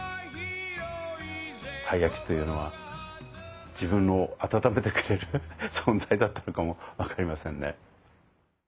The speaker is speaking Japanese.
たい焼きというのは自分を温めてくれる存在だったのかもわかりませんね。